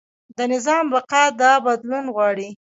د نظام بقا دا بدلون غواړي.